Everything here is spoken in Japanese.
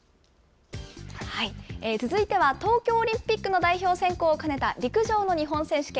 続いては東京オリンピックの代表選考を兼ねた、陸上の日本選手権。